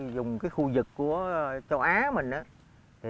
dùng cái khu vực của châu á